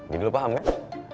jadi lo paham kan